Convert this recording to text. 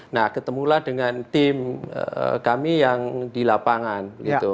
nah ketemulah dengan tim kami yang di lapangan